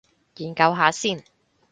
研究下先